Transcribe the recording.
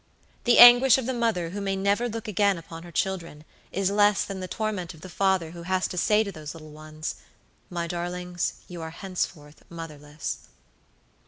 The anguish of the mother who may never look again upon her children is less than the torment of the father who has to say to those little ones, "My darlings, you are henceforth motherless."